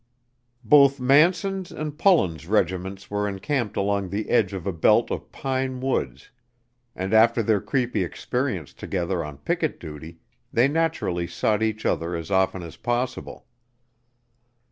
Both Manson's and Pullen's regiments were encamped along the edge of a belt of pine woods, and after their creepy experience together on picket duty, they naturally sought each other as often as possible.